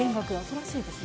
新しいですね。